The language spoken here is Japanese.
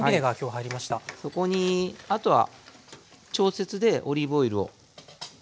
そこにあとは調節でオリーブオイルを。